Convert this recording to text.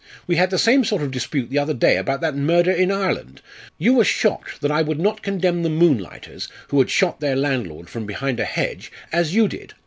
We had the same sort of dispute the other day about that murder in Ireland. You were shocked that I would not condemn the Moonlighters who had shot their landlord from behind a hedge, as you did.